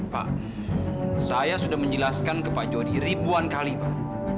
pak saya sudah menjelaskan ke pak jody ribuan kali pak